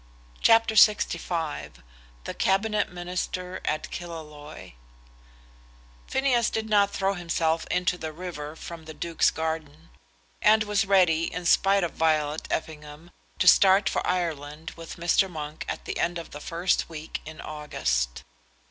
CHAPTER LXV The Cabinet Minister at Killaloe Phineas did not throw himself into the river from the Duke's garden; and was ready, in spite of Violet Effingham, to start for Ireland with Mr. Monk at the end of the first week in August.